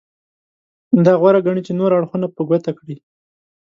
دا غوره ګڼي چې نور اړخونه په ګوته کړي.